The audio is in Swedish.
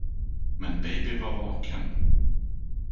Men Baby var vaken.